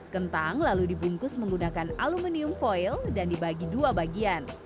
kentang lalu dibungkus menggunakan aluminium foil dan dibagi dua bagian